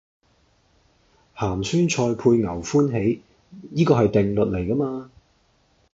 鹹酸菜配牛歡喜，依個係定律嚟㗎嘛